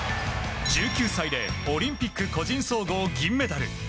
１９歳でオリンピック個人総合銀メダル。